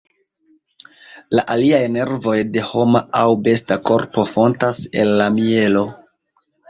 La aliaj nervoj de homa aŭ besta korpo fontas el la mjelo.